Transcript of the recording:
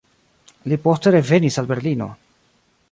Li poste revenis al Berlino.